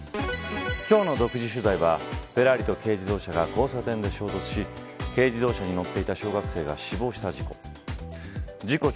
今日の独自取材はフェラーリと軽自動車が交差点で衝突し軽自動車に乗っていた小学生が死亡した事故。